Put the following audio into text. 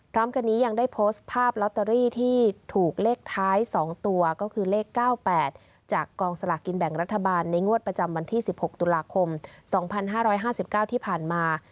พร้อมกันนี้ยังได้โพสต์ภาพลอตเตอรี่ที่ถูกเลขท้าย๒ตัวก็คือเลข๙๘จากกองสลากกินแบ่งรัฐบาลในงวดประจำวันที่๑๖ตุลาคม๒๕๕๙ที่ผ่านมา